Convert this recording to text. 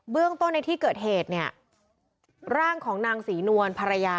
เรื่องต้นในที่เกิดเหตุเนี่ยร่างของนางศรีนวลภรรยา